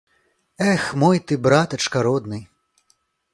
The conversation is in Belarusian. Эх, мой ты братачка родны!